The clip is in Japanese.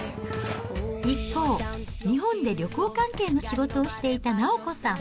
一方、日本で旅行関係の仕事をしていた直子さん。